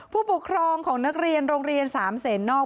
ผู้ปกครองของนักเรียนโรงเรียนสามเศษนอก